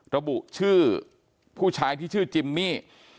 ระบุชื่อผู้ชายที่ชื่อจิมมี่